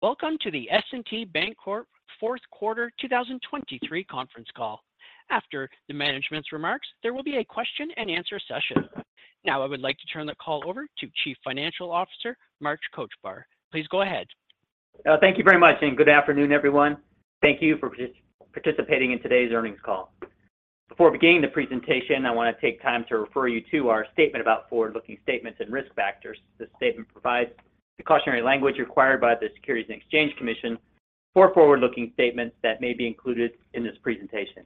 Welcome to the S&T Bancorp fourth quarter 2023 conference call. After the management's remarks, there will be a question and answer session. Now, I would like to turn the call over to Chief Financial Officer, Mark Kochvar. Please go ahead. Thank you very much, and good afternoon, everyone. Thank you for participating in today's earnings call. Before beginning the presentation, I want to take time to refer you to our statement about forward-looking statements and risk factors. This statement provides the cautionary language required by the Securities and Exchange Commission for forward-looking statements that may be included in this presentation.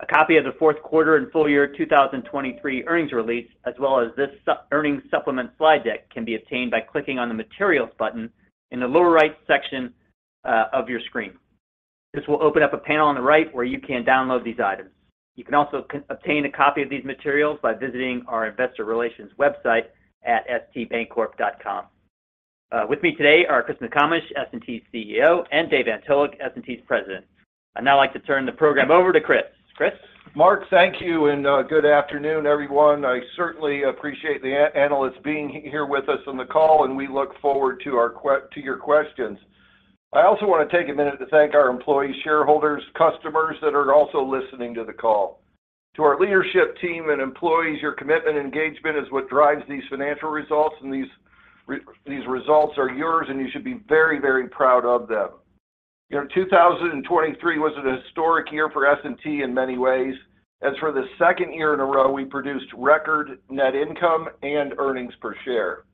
A copy of the fourth quarter and full year 2023 earnings release, as well as this earnings supplement slide deck can be obtained by clicking on the Materials button in the lower right section of your screen. This will open up a panel on the right, where you can download these items. You can also obtain a copy of these materials by visiting our investor relations website at stbancorp.com. With me today are Chris McComish, S&T's CEO, and Dave Antolik, S&T's President. I'd now like to turn the program over to Chris. Chris? Mark, thank you, and good afternoon, everyone. I certainly appreciate the analysts being here with us on the call, and we look forward to your questions. I also want to take a minute to thank our employees, shareholders, customers that are also listening to the call. To our leadership team and employees, your commitment and engagement is what drives these financial results, and these results are yours, and you should be very, very proud of them. You know, 2023 was a historic year for S&T in many ways. As for the second year in a row, we produced record net income and earnings per share.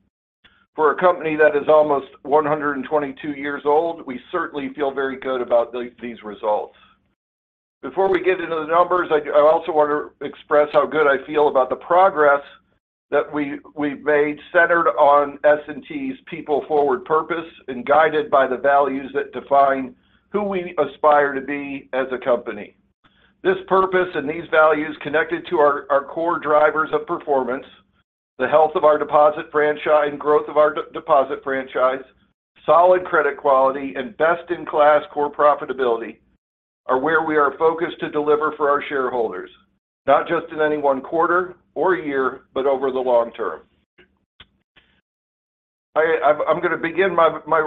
For a company that is almost 122 years old, we certainly feel very good about these results. Before we get into the numbers, I also want to express how good I feel about the progress that we've made, centered on S&T's people-forward purpose and guided by the values that define who we aspire to be as a company. This purpose and these values connected to our core drivers of performance, the health of our deposit franchise and growth of our deposit franchise, solid credit quality, and best-in-class core profitability, are where we are focused to deliver for our shareholders, not just in any one quarter or year, but over the long term. I'm going to begin my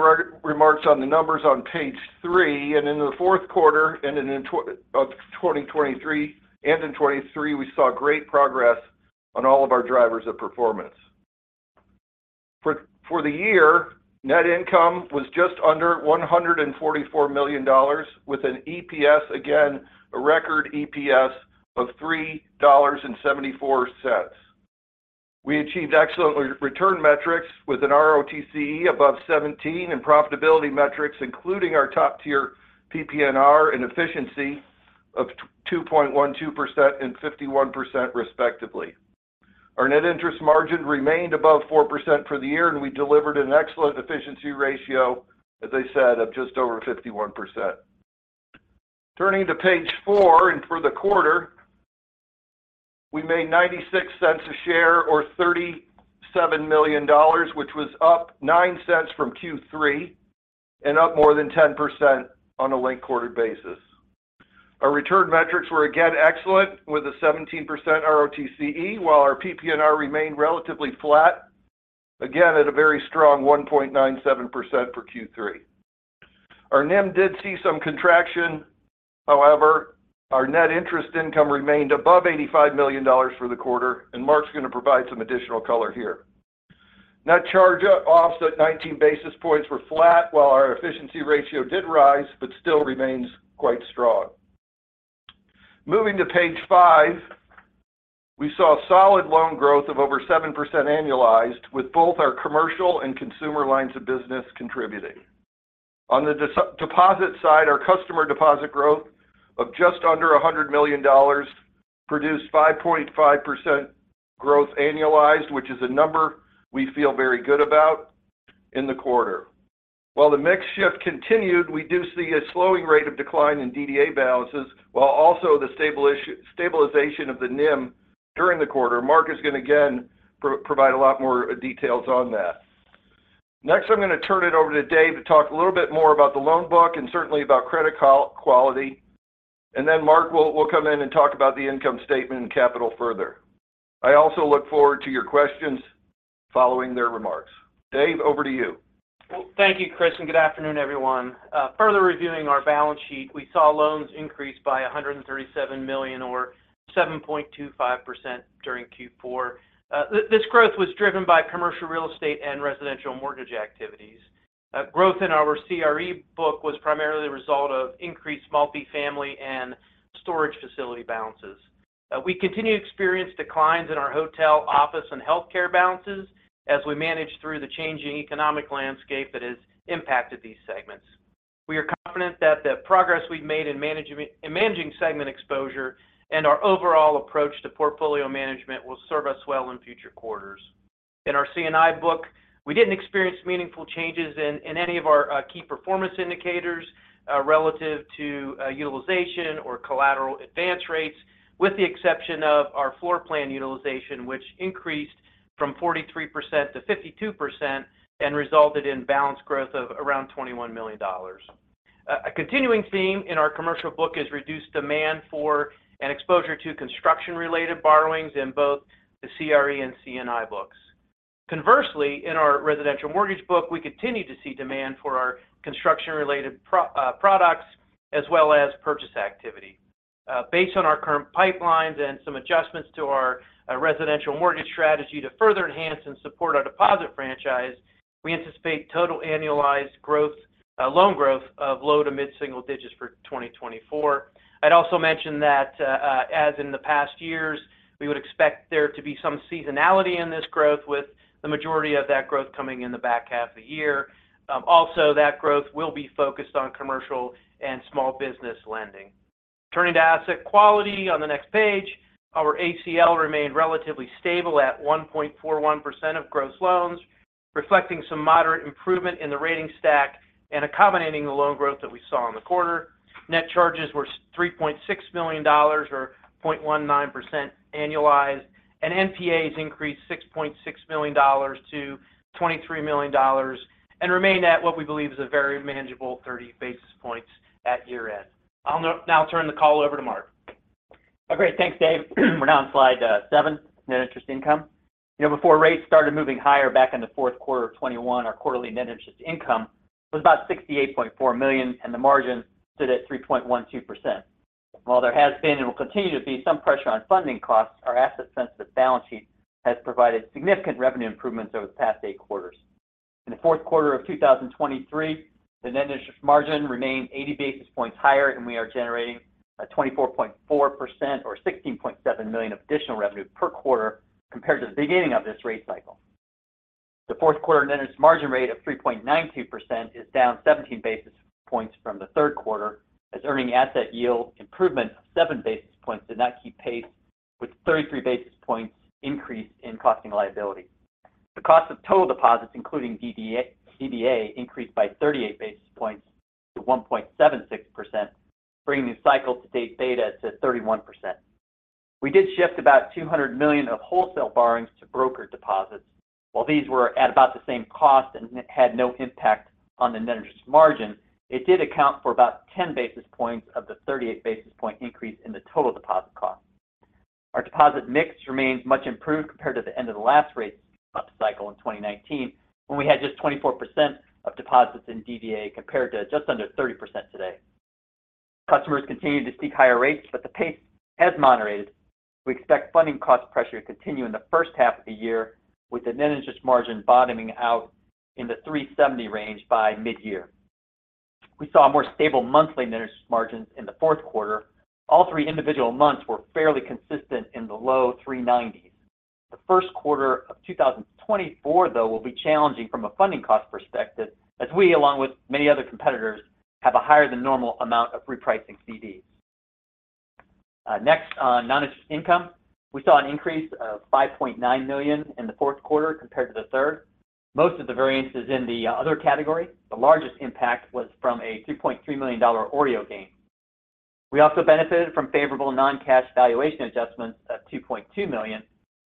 remarks on the numbers on page three, and in the fourth quarter and in 2023, we saw great progress on all of our drivers of performance. For the year, net income was just under $144 million, with an EPS, again, a record EPS of $3.74. We achieved excellent return metrics with an ROTCE above 17 and profitability metrics, including our top-tier PPNR and efficiency of two point one two percent and 51% respectively. Our net interest margin remained above 4% for the year, and we delivered an excellent efficiency ratio, as I said, of just over 51%. Turning to page four, and for the quarter, we made $0.96 a share or $37 million, which was up $0.09 from Q3 and up more than 10% on a linked quarter basis. Our return metrics were again excellent with a 17% ROTCE, while our PPNR remained relatively flat, again at a very strong 1.97% for Q3. Our NIM did see some contraction, however, our net interest income remained above $85 million for the quarter, and Mark's going to provide some additional color here. Net charge-offs at 19 basis points were flat, while our efficiency ratio did rise but still remains quite strong. Moving to page five, we saw solid loan growth of over 7% annualized, with both our commercial and consumer lines of business contributing. On the deposit side, our customer deposit growth of just under $100 million produced 5.5% growth annualized, which is a number we feel very good about in the quarter. While the mix shift continued, we do see a slowing rate of decline in DDA balances, while also the stabilization of the NIM during the quarter. Mark is going to again, provide a lot more, details on that. Next, I'm going to turn it over to Dave to talk a little bit more about the loan book and certainly about credit quality, and then Mark will come in and talk about the income statement and capital further. I also look forward to your questions following their remarks. Dave, over to you. Well, thank you, Chris, and good afternoon, everyone. Further reviewing our balance sheet, we saw loans increase by $137 million, or 7.25% during Q4. This growth was driven by commercial real estate and residential mortgage activities. Growth in our CRE book was primarily a result of increased multifamily and storage facility balances. We continue to experience declines in our hotel, office, and healthcare balances as we manage through the changing economic landscape that has impacted these segments. We are confident that the progress we've made in managing segment exposure and our overall approach to portfolio management will serve us well in future quarters. In our C&I book, we didn't experience meaningful changes in, in any of our, key performance indicators, relative to, utilization or collateral advance rates, with the exception of our floor plan utilization, which increased from 43% to 52% and resulted in balance growth of around $21 million. A continuing theme in our commercial book is reduced demand for and exposure to construction-related borrowings in both the CRE and C&I books. Conversely, in our residential mortgage book, we continue to see demand for our construction-related products as well as purchase activity. Based on our current pipelines and some adjustments to our, residential mortgage strategy to further enhance and support our deposit franchise, we anticipate total annualized growth, loan growth of low- to mid-single digits for 2024. I'd also mention that, as in the past years, we would expect there to be some seasonality in this growth, with the majority of that growth coming in the back half of the year. Also, that growth will be focused on commercial and small business lending. Turning to asset quality on the next page, our ACL remained relatively stable at 1.41% of gross loans, reflecting some moderate improvement in the rating stack and accommodating the loan growth that we saw in the quarter. Net charges were $3.6 million or 0.19% annualized, and NPAs increased $6.6 million to $23 million and remain at what we believe is a very manageable 30 basis points at year-end. I'll now turn the call over to Mark. Oh, great. Thanks, Dave. We're now on slide seven, net interest income. You know, before rates started moving higher back in the fourth quarter of 2021, our quarterly net interest income was about $68.4 million, and the margin stood at 3.12%. While there has been and will continue to be some pressure on funding costs, our asset-sensitive balance sheet has provided significant revenue improvements over the past eight quarters. In the fourth quarter of 2023, the net interest margin remained 80 basis points higher, and we are generating a 24.4% or $16.7 million of additional revenue per quarter compared to the beginning of this rate cycle. The fourth quarter net interest margin rate of 3.92% is down 17 basis points from the third quarter, as earning asset yield improvement of 7 basis points did not keep pace with 33 basis points increase in cost of liability. The cost of total deposits, including DDA, increased by 38 basis points to 1.76%, bringing the cycle-to-date beta to 31%. We did shift about $200 million of wholesale borrowings to brokered deposits. While these were at about the same cost and had no impact on the net interest margin, it did account for about 10 basis points of the 38 basis point increase in the total deposit cost. Our deposit mix remains much improved compared to the end of the last rate upcycle in 2019, when we had just 24% of deposits in DDA, compared to just under 30% today. Customers continue to seek higher rates, but the pace has moderated. We expect funding cost pressure to continue in the first half of the year, with the net interest margin bottoming out in the 3.70% range by mid-year. We saw a more stable monthly net interest margins in the fourth quarter. All three individual months were fairly consistent in the low 3.90s. The first quarter of 2024, though, will be challenging from a funding cost perspective, as we along with many other competitors, have a higher-than-normal amount of repricing CDs. Next, on non-interest income. We saw an increase of $5.9 million in the fourth quarter compared to the third. Most of the variance is in the other category. The largest impact was from a $2.3 million OREO gain. We also benefited from favorable non-cash valuation adjustments of $2.2 million.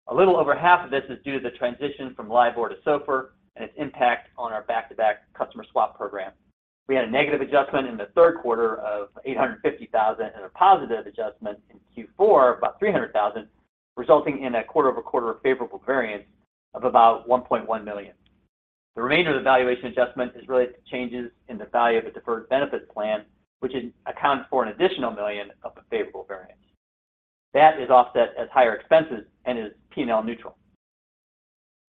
A little over half of this is due to the transition from LIBOR to SOFR and its impact on our back-to-back customer swap program. We had a negative adjustment in the third quarter of $850,000 and a positive adjustment in Q4 of about $300,000, resulting in a quarter-over-quarter favorable variance of about $1.1 million. The remainder of the valuation adjustment is related to changes in the value of a deferred benefit plan, which accounts for an additional $1 million of the favorable variance. That is offset as higher expenses and is P&L neutral.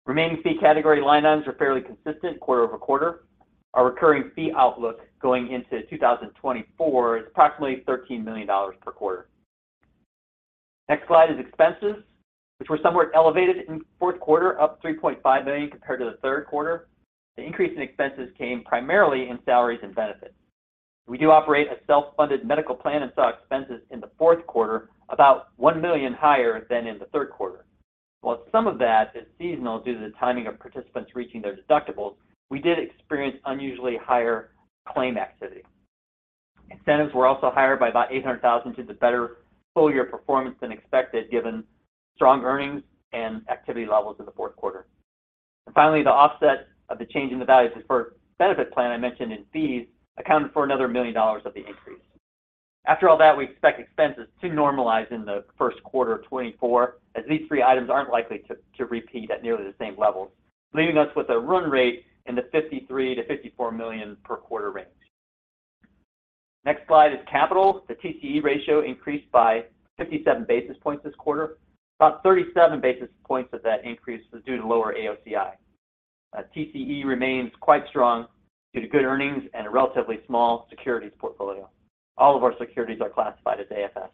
Remaining fee category line items are fairly consistent quarter over quarter. Our recurring fee outlook going into 2024 is approximately $13 million per quarter. Next slide is expenses, which were somewhat elevated in the fourth quarter, up $3.5 million compared to the third quarter. The increase in expenses came primarily in salaries and benefits. We do operate a self-funded medical plan and saw expenses in the fourth quarter, about $1 million higher than in the third quarter. While some of that is seasonal due to the timing of participants reaching their deductibles, we did experience unusually higher claim activity. Incentives were also higher by about $800,000 due to better full year performance than expected, given strong earnings and activity levels in the fourth quarter. Finally, the offset of the change in the value of the deferred benefit plan I mentioned in fees accounted for another $1 million of the increase. After all that, we expect expenses to normalize in the first quarter of 2024, as these three items aren't likely to repeat at nearly the same levels, leaving us with a run rate in the $53 million-$54 million per quarter range. Next slide is capital. The TCE ratio increased by 57 basis points this quarter. About 37 basis points of that increase was due to lower AOCI. TCE remains quite strong due to good earnings and a relatively small securities portfolio. All of our securities are classified as AFS.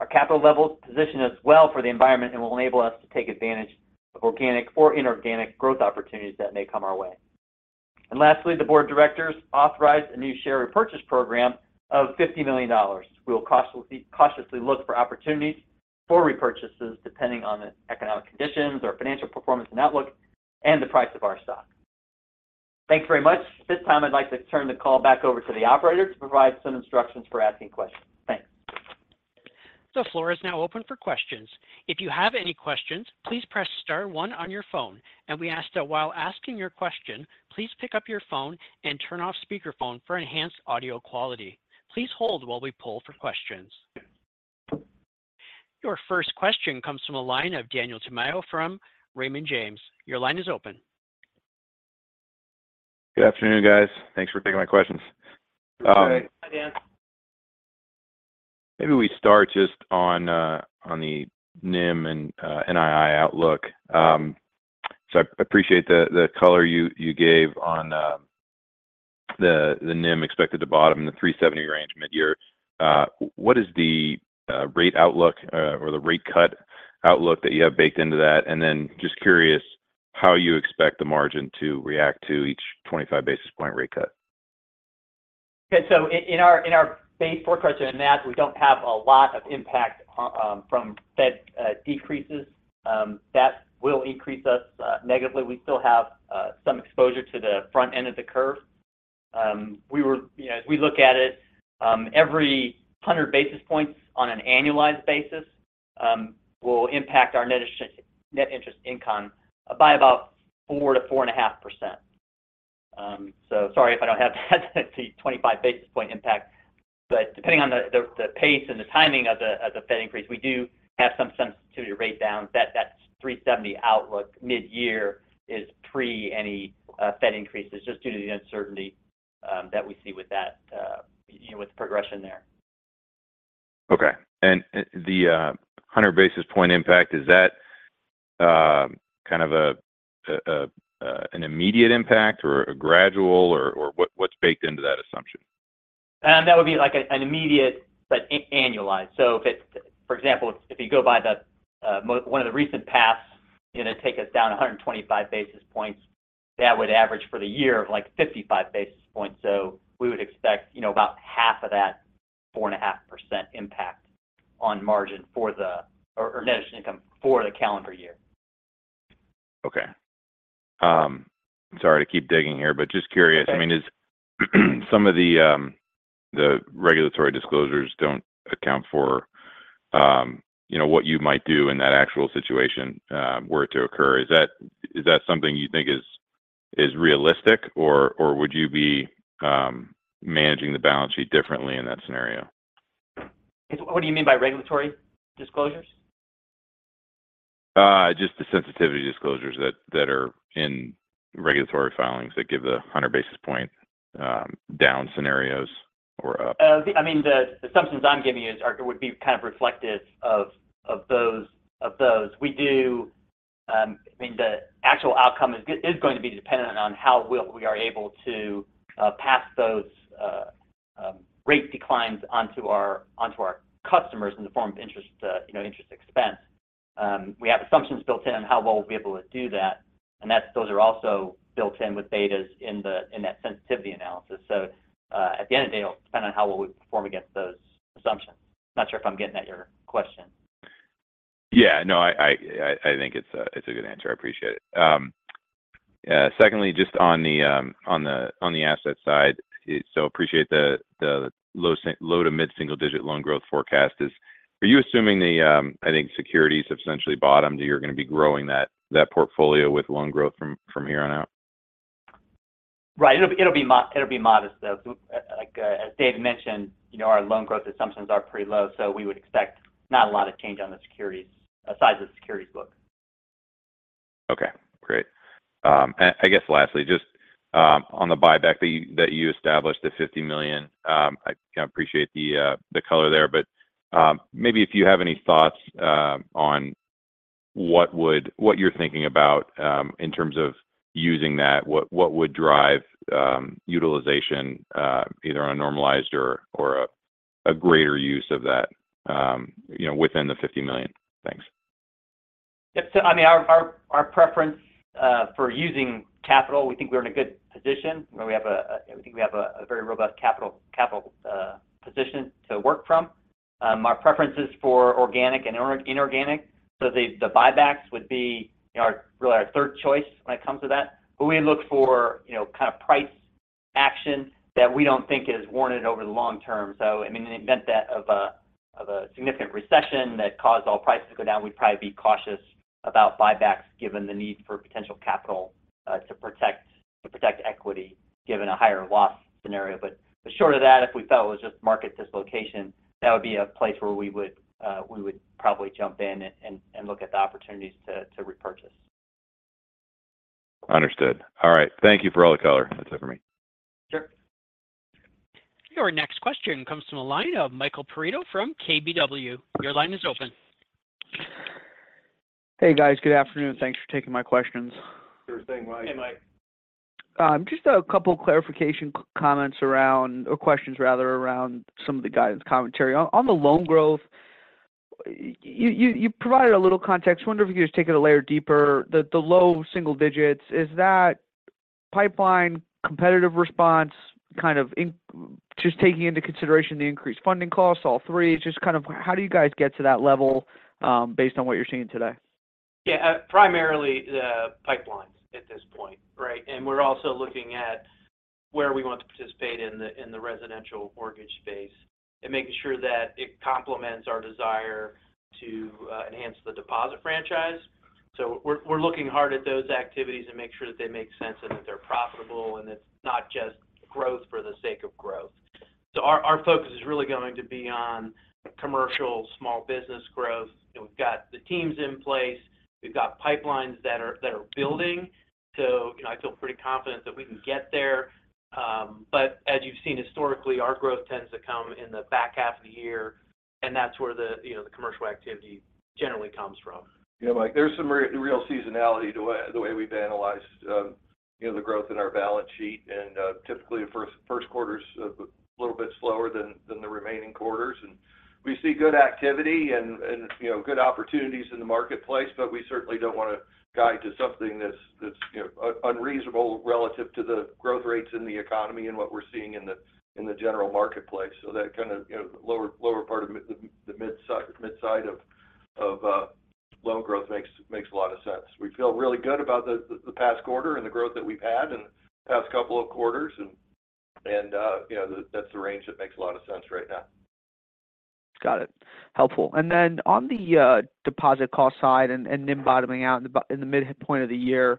Our capital levels position us well for the environment and will enable us to take advantage of organic or inorganic growth opportunities that may come our way. Lastly, the board of directors authorized a new share repurchase program of $50 million. We will cautiously look for opportunities for repurchases, depending on the economic conditions, our financial performance and outlook, and the price of our stock. Thanks very much. At this time, I'd like to turn the call back over to the operator to provide some instructions for asking questions. Thanks.... The floor is now open for questions. If you have any questions, please press star one on your phone, and we ask that while asking your question, please pick up your phone and turn off speakerphone for enhanced audio quality. Please hold while we poll for questions. Your first question comes from the line of Daniel Tamayo from Raymond James. Your line is open. Good afternoon, guys. Thanks for taking my questions. Good day. Hi, Dan. Maybe we start just on the NIM and NII outlook. So I appreciate the color you gave on the NIM expected to bottom in the 3.70 range mid-year. What is the rate outlook or the rate cut outlook that you have baked into that? And then just curious how you expect the margin to react to each 25 basis point rate cut. Okay, so in our, in our base forecast in that, we don't have a lot of impact from Fed decreases. That will increase us negatively. We still have some exposure to the front end of the curve. We were-- You know, as we look at it, every 100 basis points on an annualized basis will impact our net interest income by about 4%-4.5%. So sorry if I don't have the 25 basis point impact, but depending on the pace and the timing of the Fed increase, we do have some sensitivity to rate down. That 3.70 outlook mid-year is pre any Fed increases, just due to the uncertainty that we see with that, you know, with the progression there. Okay. And the 100 basis point impact, is that kind of an immediate impact or a gradual or what, what's baked into that assumption? That would be like an immediate but annualized. So, for example, if you go by the one of the recent paths, it'd take us down 125 basis points. That would average for the year of, like, 55 basis points. So we would expect, you know, about half of that 4.5% impact on margin for the margin, or net interest income for the calendar year. Okay. Sorry to keep digging here, but just curious- Sure. I mean, is some of the, the regulatory disclosures don't account for, you know, what you might do in that actual situation, were it to occur. Is that, is that something you think is, is realistic, or, or would you be, managing the balance sheet differently in that scenario? What do you mean by regulatory disclosures? Just the sensitivity disclosures that are in regulatory filings that give the 100 basis points down scenarios or up. I mean, the assumptions I'm giving you would be kind of reflective of those. I mean, the actual outcome is going to be dependent on how well we are able to pass those rate declines onto our customers in the form of interest, you know, interest expense. We have assumptions built in on how well we'll be able to do that, and those are also built in with betas in that sensitivity analysis. So, at the end of the day, it'll depend on how well we perform against those assumptions. Not sure if I'm getting at your question. Yeah. No, I think it's a good answer. I appreciate it. Secondly, just on the asset side, so appreciate the low to mid-single-digit loan growth forecast. Are you assuming the, I think, securities have essentially bottomed, you're going to be growing that portfolio with loan growth from here on out? Right. It'll be modest, though. Like, as Dave mentioned, you know, our loan growth assumptions are pretty low, so we would expect not a lot of change on the securities size of the securities book. Okay, great. I guess lastly, just on the buyback that you, that you established, the $50 million, I appreciate the color there. But, maybe if you have any thoughts on what would—what you're thinking about in terms of using that, what, what would drive utilization either on a normalized or a greater use of that, you know, within the $50 million? Thanks. Yeah, so I mean, our preference for using capital, we think we're in a good position, where we have a - we think we have a very robust capital position to work from. Our preference is for organic and inorganic, so the buybacks would be, you know, really our third choice when it comes to that. But we look for, you know, kind of price action that we don't think is warranted over the long term. So, I mean, in the event of a significant recession that caused all prices to go down, we'd probably be cautious about buybacks, given the need for potential capital to protect equity, given a higher loss scenario. But short of that, if we felt it was just market dislocation, that would be a place where we would probably jump in and look at the opportunities to repurchase. Understood. All right. Thank you for all the color. That's it for me. Sure. Your next question comes from the line of Michael Perito from KBW. Your line is open. Hey, guys. Good afternoon. Thanks for taking my questions. Sure thing, Mike. Hey, Mike. Just a couple clarification comments around, or questions rather, around some of the guidance commentary. On the loan growth, you provided a little context. I wonder if you could just take it a layer deeper. The low single digits, is that pipeline competitive response, kind of just taking into consideration the increased funding costs, all three, just kind of how do you guys get to that level, based on what you're seeing today?... Yeah, primarily the pipelines at this point, right? And we're also looking at where we want to participate in the residential mortgage space, and making sure that it complements our desire to enhance the deposit franchise. So we're looking hard at those activities and make sure that they make sense and that they're profitable, and it's not just growth for the sake of growth. So our focus is really going to be on commercial small business growth. And we've got the teams in place, we've got pipelines that are building, so you know, I feel pretty confident that we can get there. But as you've seen historically, our growth tends to come in the back half of the year, and that's where you know, the commercial activity generally comes from. Yeah, Mike, there's some real seasonality to the way, the way we've analyzed, you know, the growth in our balance sheet. Typically, the first quarter's a little bit slower than the remaining quarters. We see good activity and you know good opportunities in the marketplace, but we certainly don't want to guide to something that's you know unreasonable relative to the growth rates in the economy and what we're seeing in the general marketplace. So that kind of you know lower part of the mid-single-digit side of loan growth makes a lot of sense. We feel really good about the past quarter and the growth that we've had in the past couple of quarters. And you know that's the range that makes a lot of sense right now. Got it. Helpful. And then on the deposit cost side and NIM bottoming out in the midpoint of the year,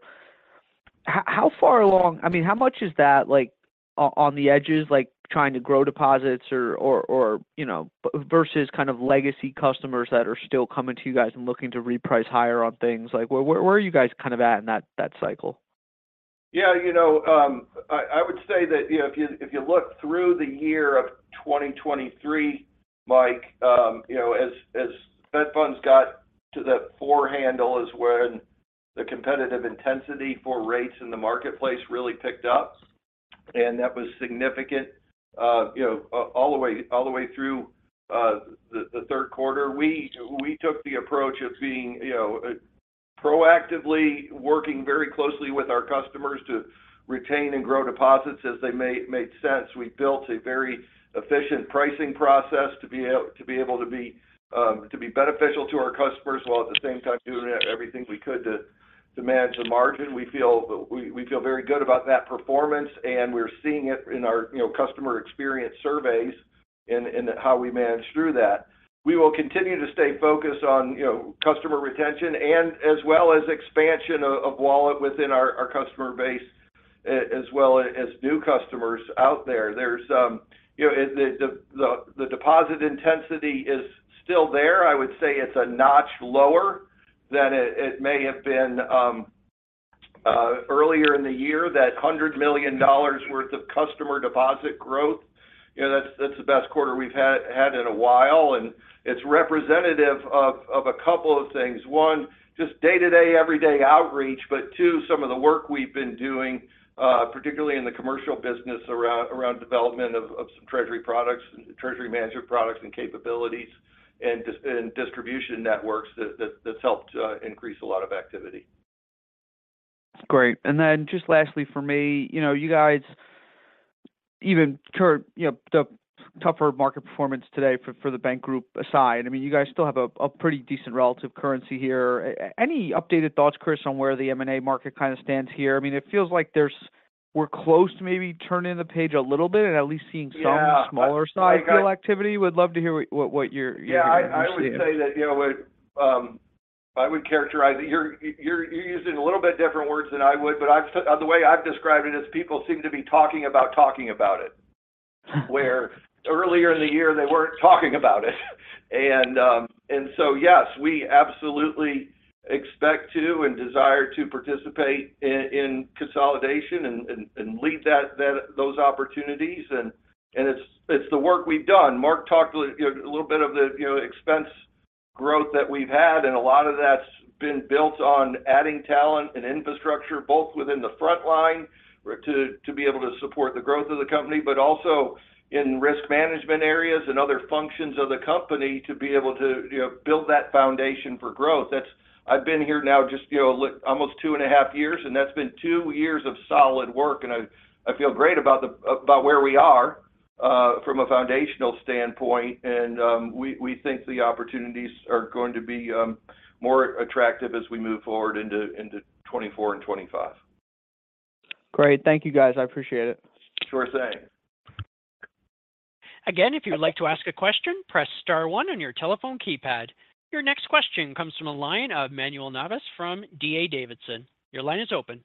how far along, I mean, how much is that, like, on the edges, like, trying to grow deposits or, you know, versus kind of legacy customers that are still coming to you guys and looking to reprice higher on things? Like, where are you guys kind of at in that cycle? Yeah, you know, I, I would say that, you know, if you, if you look through the year of 2023, Mike, you know, as, as Fed funds got to the four handle is when the competitive intensity for rates in the marketplace really picked up, and that was significant. You know, all the way, all the way through, the, the third quarter, we, we took the approach of being, you know, proactively working very closely with our customers to retain and grow deposits as they made, made sense. We built a very efficient pricing process to be able, to be able to be, to be beneficial to our customers, while at the same time, doing everything we could to, to manage the margin. We feel very good about that performance, and we're seeing it in our, you know, customer experience surveys and how we manage through that. We will continue to stay focused on, you know, customer retention and as well as expansion of wallet within our customer base, as well as new customers out there. There's, you know, the deposit intensity is still there. I would say it's a notch lower than it may have been earlier in the year. That $100 million worth of customer deposit growth, you know, that's the best quarter we've had in a while, and it's representative of a couple of things. One, just day-to-day, everyday outreach, but two, some of the work we've been doing, particularly in the commercial business around development of some treasury products, treasury management products and capabilities, and distribution networks, that's helped increase a lot of activity. Great. And then just lastly for me, you know, you guys, even current, you know, the tougher market performance today for the bank group aside, I mean, you guys still have a pretty decent relative currency here. Any updated thoughts, Chris, on where the M&A market kind of stands here? I mean, it feels like there's, we're close to maybe turning the page a little bit and at least seeing some- Yeah... smaller side deal activity. Would love to hear what you're seeing. Yeah, I would say that, you know what? I would characterize it. You're using a little bit different words than I would, but I've taken the way I've described it is people seem to be talking about talking about it. Where earlier in the year, they weren't talking about it. And so, yes, we absolutely expect to and desire to participate in consolidation and lead that those opportunities. And it's the work we've done. Mark talked a little, you know, a little bit of the, you know, expense growth that we've had, and a lot of that's been built on adding talent and infrastructure, both within the front line, to be able to support the growth of the company, but also in risk management areas and other functions of the company to be able to, you know, build that foundation for growth. That's. I've been here now just, you know, look, almost 2.5 years, and that's been 2 years of solid work, and I feel great about about where we are from a foundational standpoint. And we think the opportunities are going to be more attractive as we move forward into 2024 and 2025. Great. Thank you, guys. I appreciate it. Sure thing. Again, if you'd like to ask a question, press star one on your telephone keypad. Your next question comes from the line of Manuel Navas from D.A. Davidson. Your line is open.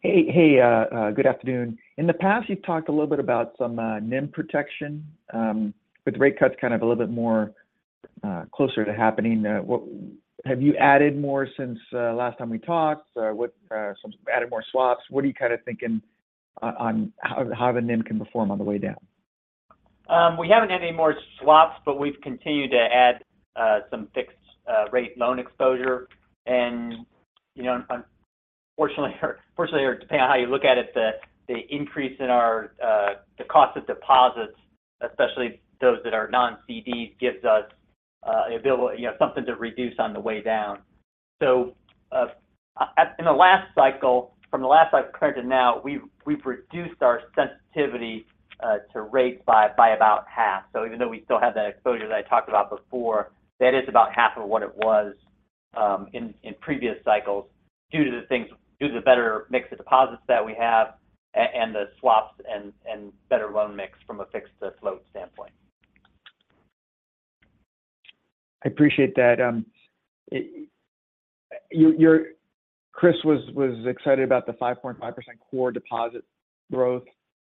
Hey, hey, good afternoon. In the past, you've talked a little bit about some NIM protection. With rate cuts kind of a little bit more closer to happening, what have you added more since last time we talked? What added more swaps? What are you kind of thinking on how the NIM can perform on the way down? We haven't had any more swaps, but we've continued to add some fixed rate loan exposure. You know, unfortunately or fortunately, or depending on how you look at it, the increase in our cost of deposits, especially those that are non-CDs, gives us you know, something to reduce on the way down. In the last cycle, from the last cycle current to now, we've reduced our sensitivity to rates by about half. So even though we still have that exposure that I talked about before, that is about half of what it was in previous cycles due to the better mix of deposits that we have, and the swaps and better loan mix from a fixed to float standpoint. I appreciate that. Chris was excited about the 5.5% core deposit growth.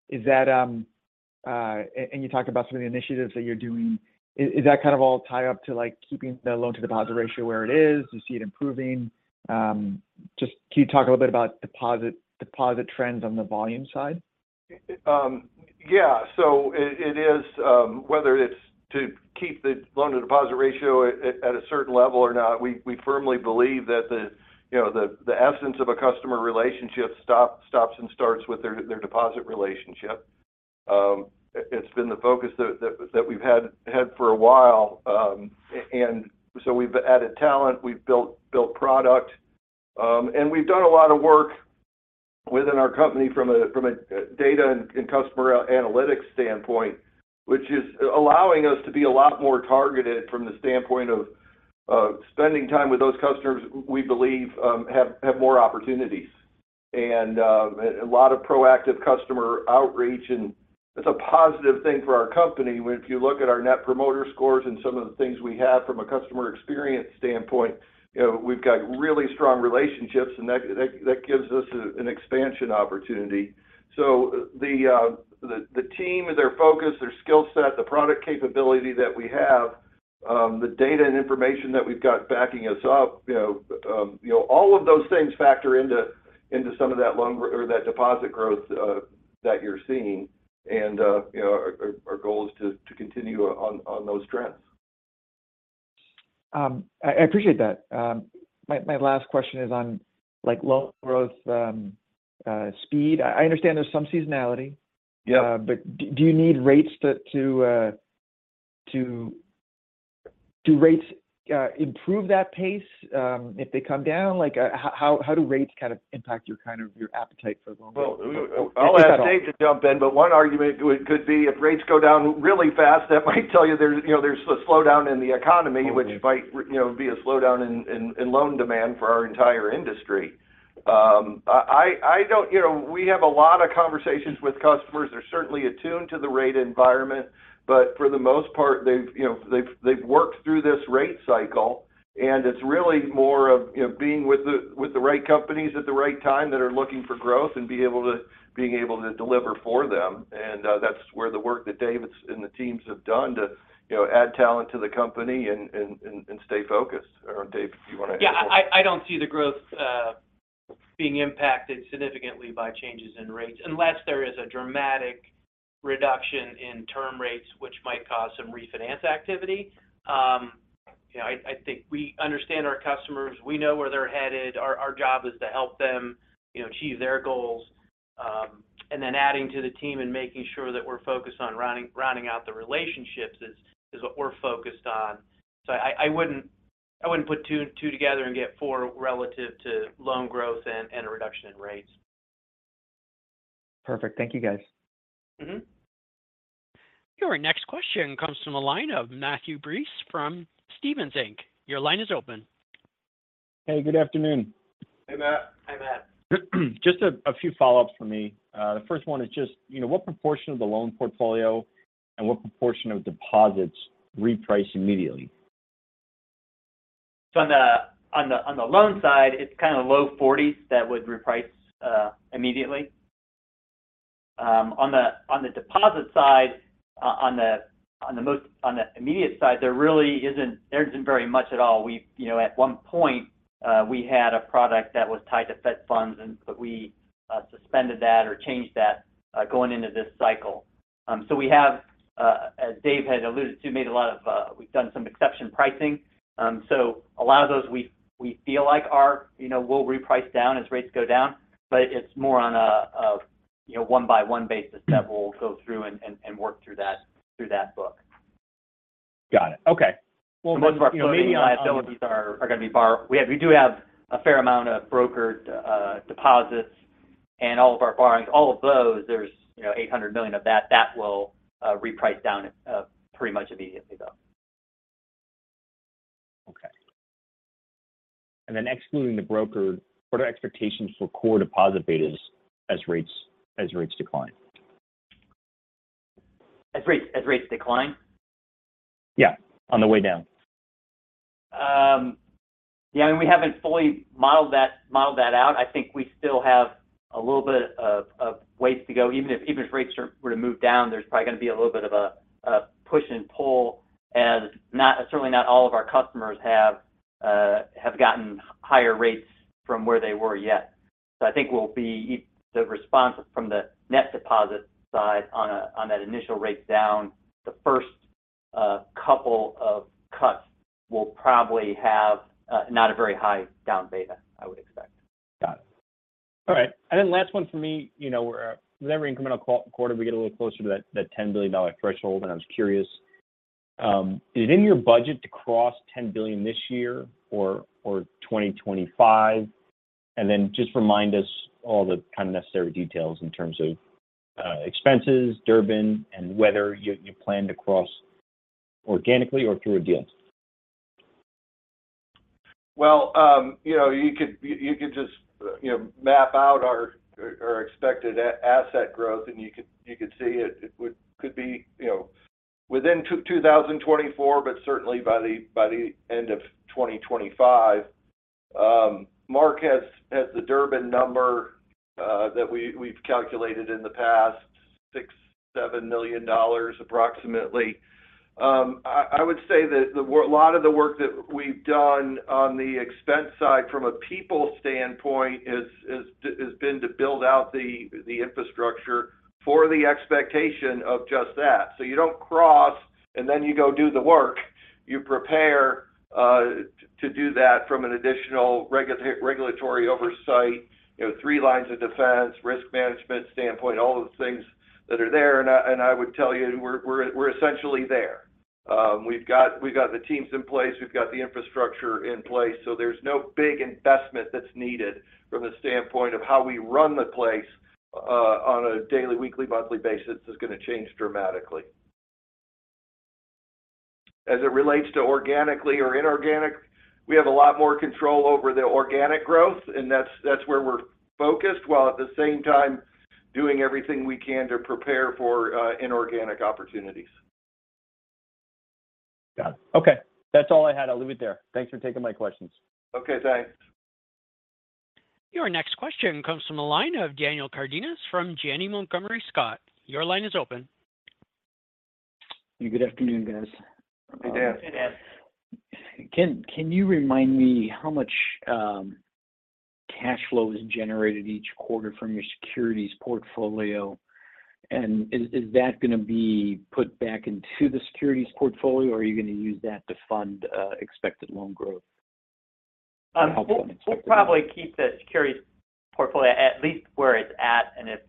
Is that and you talked about some of the initiatives that you're doing. Is that kind of all tied up to, like, keeping the loan to deposit ratio where it is? Do you see it improving? Just can you talk a little bit about deposit trends on the volume side? Yeah. So it is whether it's to keep the loan to deposit ratio at a certain level or not, we firmly believe that, you know, the essence of a customer relationship stops and starts with their deposit relationship. It's been the focus that we've had for a while. And so we've added talent, we've built product, and we've done a lot of work within our company from a data and customer analytics standpoint, which is allowing us to be a lot more targeted from the standpoint of spending time with those customers we believe have more opportunities. And a lot of proactive customer outreach, and it's a positive thing for our company. If you look at our net promoter scores and some of the things we have from a customer experience standpoint, you know, we've got really strong relationships, and that gives us an expansion opportunity. So the team, their focus, their skill set, the product capability that we have, the data and information that we've got backing us up, you know, you know, all of those things factor into some of that loan or that deposit growth that you're seeing. And you know, our goal is to continue on those trends. I appreciate that. My last question is on, like, loan growth speed. I understand there's some seasonality. Yeah. But do you need rates to improve that pace if they come down? Like, how do rates kind of impact your appetite for the loan? Well, I'll ask Dave to jump in, but one argument could be if rates go down really fast, that might tell you there's, you know, there's a slowdown in the economy- Oh. -which might, you know, be a slowdown in loan demand for our entire industry. I don't-- you know, we have a lot of conversations with customers. They're certainly attuned to the rate environment, but for the most part, they've, you know, they've worked through this rate cycle, and it's really more of, you know, being with the right companies at the right time that are looking for growth and being able to deliver for them. And that's where the work that Dave and the teams have done to, you know, add talent to the company and stay focused. Dave, do you want to add more? Yeah, I don't see the growth being impacted significantly by changes in rates, unless there is a dramatic reduction in term rates, which might cause some refinance activity. You know, I think we understand our customers. We know where they're headed. Our job is to help them, you know, achieve their goals. And then adding to the team and making sure that we're focused on rounding out the relationships is what we're focused on. So I wouldn't put two and two together and get four relative to loan growth and a reduction in rates. Perfect. Thank you, guys. Mm-hmm. Your next question comes from the line of Matthew Breese from Stephens Inc. Your line is open. Hey, good afternoon. Hey, Matt. Hey, Matt. Just a few follow-ups for me. The first one is just, you know, what proportion of the loan portfolio and what proportion of deposits reprice immediately? So on the loan side, it's kind of low 40s that would reprice immediately. On the deposit side, on the immediate side, there really isn't very much at all. We've you know, at one point, we had a product that was tied to Fed funds and, but we suspended that or changed that going into this cycle. So we have, as Dave had alluded to, made a lot of, we've done some exception pricing. So a lot of those we feel like are, you know, will reprice down as rates go down, but it's more on a, you know, one-by-one basis that we'll go through and work through that book. Got it. Okay. Well, most of our immediate liabilities are going to be borrowings. We do have a fair amount of brokered deposits and all of our borrowings. All of those, there's, you know, $800 million of that will reprice down pretty much immediately, though. Okay. And then excluding the broker, what are expectations for core deposit betas as rates decline? As rates decline? Yeah, on the way down. Yeah, I mean, we haven't fully modeled that, modeled that out. I think we still have a little bit of ways to go. Even if rates were to move down, there's probably going to be a little bit of a push and pull, as certainly not all of our customers have gotten higher rates from where they were yet. So I think we'll be, the response from the net deposit side on that initial rate down, the first couple of cuts will probably have not a very high down beta, I would expect.... All right, and then last one for me, you know, we're with every incremental quarter, we get a little closer to that $10 billion threshold, and I was curious, is it in your budget to cross $10 billion this year or 2025? And then just remind us all the kind of necessary details in terms of expenses, Durbin, and whether you plan to cross organically or through a deal. Well, you know, you could just, you know, map out our expected asset growth, and you could see it. It could be, you know, within 2024, but certainly by the end of 2025. Mark has the Durbin number that we've calculated in the past, $6 million-$7 million approximately. I would say that a lot of the work that we've done on the expense side from a people standpoint has been to build out the infrastructure for the expectation of just that. So you don't cross, and then you go do the work. You prepare to do that from an additional regulatory oversight, you know, three lines of defense, risk management standpoint, all of the things that are there. I would tell you, we're essentially there. We've got the teams in place, we've got the infrastructure in place, so there's no big investment that's needed from the standpoint of how we run the place on a daily, weekly, monthly basis. It's gonna change dramatically. As it relates to organically or inorganic, we have a lot more control over the organic growth, and that's where we're focused, while at the same time, doing everything we can to prepare for inorganic opportunities. Got it. Okay, that's all I had. I'll leave it there. Thanks for taking my questions. Okay, thanks. Your next question comes from the line of Daniel Cardenas from Janney Montgomery Scott. Your line is open. Good afternoon, guys. Hey, Dan. Hey, Dan. Can you remind me how much cash flow is generated each quarter from your securities portfolio? And is that gonna be put back into the securities portfolio, or are you gonna use that to fund expected loan growth? We'll probably keep the securities portfolio at least where it's at, and if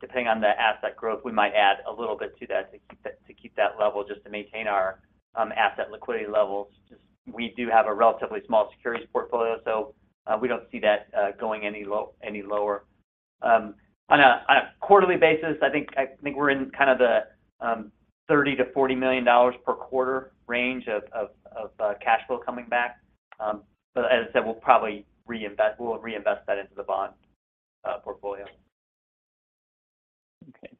depending on the asset growth, we might add a little bit to that to keep that level, just to maintain our asset liquidity levels. We do have a relatively small securities portfolio, so we don't see that going any lower. On a quarterly basis, I think we're in kind of the $30 million-$40 million per quarter range of cash flow coming back. But as I said, we'll probably reinvest, we'll reinvest that into the bond portfolio. Okay.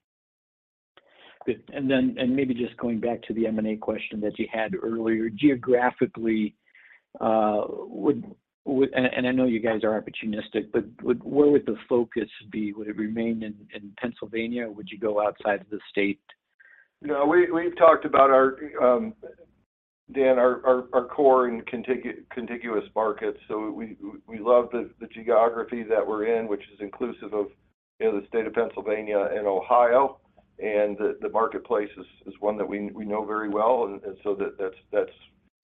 Good. And then, maybe just going back to the M&A question that you had earlier, geographically, would... And I know you guys are opportunistic, but would where would the focus be? Would it remain in Pennsylvania, or would you go outside of the state? No, we've talked about our Dan, our core and contiguous markets. So we love the geography that we're in, which is inclusive of, you know, the state of Pennsylvania and Ohio, and the marketplace is one that we know very well, and so that's,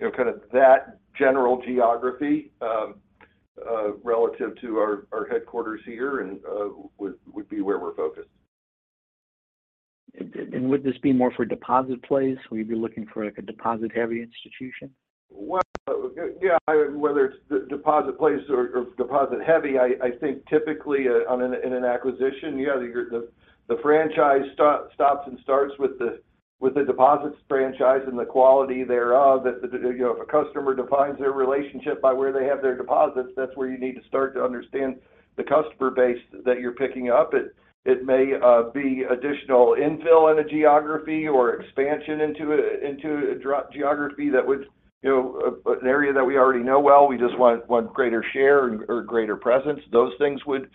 you know, kind of that general geography relative to our headquarters here and would be where we're focused. Would this be more for deposit plays? Would you be looking for, like, a deposit-heavy institution? Well, yeah, whether it's the deposit plays or deposit heavy, I think typically in an acquisition, yeah, the franchise starts and stops with the deposits franchise and the quality thereof. That, you know, if a customer defines their relationship by where they have their deposits, that's where you need to start to understand the customer base that you're picking up. It may be additional infill in a geography or expansion into a geography that would, you know, an area that we already know well, we just want greater share or greater presence. Those things would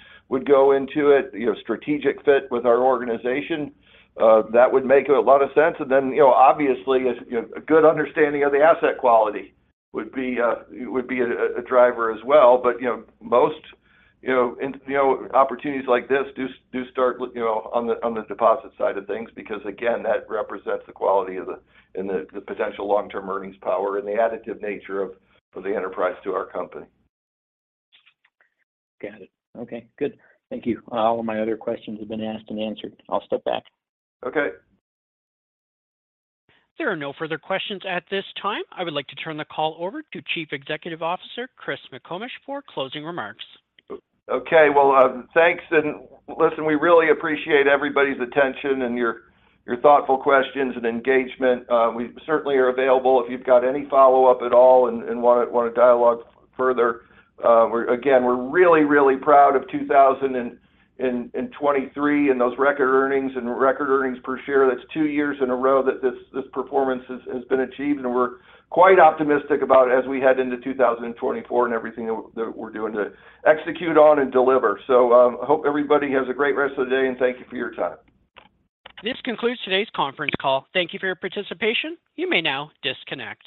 go into it, you know, strategic fit with our organization. That would make a lot of sense. And then, you know, obviously, a good understanding of the asset quality would be a driver as well. But, you know, most opportunities like this do start, you know, on the deposit side of things, because again, that represents the quality of the, and the potential long-term earnings power and the additive nature of the enterprise to our company. Got it. Okay, good. Thank you. All of my other questions have been asked and answered. I'll step back. Okay. There are no further questions at this time. I would like to turn the call over to Chief Executive Officer, Chris McComish, for closing remarks. Okay, well, thanks, and listen, we really appreciate everybody's attention and your thoughtful questions and engagement. We certainly are available if you've got any follow-up at all and wanna dialogue further. We're again, we're really proud of 2023, and those record earnings and record earnings per share. That's two years in a row that this performance has been achieved, and we're quite optimistic about it as we head into 2024 and everything that we're doing to execute on and deliver. So, hope everybody has a great rest of the day, and thank you for your time. This concludes today's conference call. Thank you for your participation. You may now disconnect.